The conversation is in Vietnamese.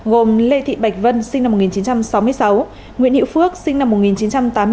gồm lê thị bạch vân sinh năm một nghìn chín trăm sáu mươi sáu nguyễn hiệu phước sinh năm một nghìn chín trăm tám mươi tám